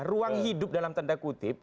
ruang hidup dalam tanda kutip